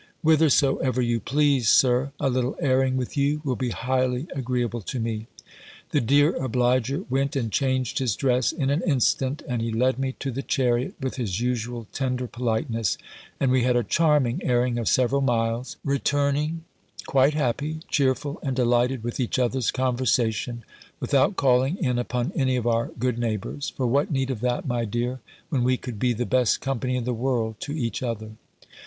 "Whithersoever you please, Sir. A little airing with you will be highly agreeable to me." The dear obliger went and changed his dress in an instant; and he led me to the chariot, with his usual tender politeness, and we had a charming airing of several miles; returning quite happy, cheerful, and delighted with each other's conversation, without calling in upon any of our good neighbours: for what need of that, my dear, when we could be the best company in the world to each other?